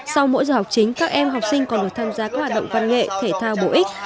sau mỗi giờ học chính các em học sinh còn được tham gia các hoạt động văn nghệ thể thao bổ ích